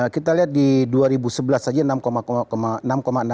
kita lihat di dua ribu sebelas saja enam enam triliun